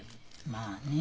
まあね。